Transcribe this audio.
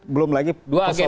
belum lagi persoalan persoalan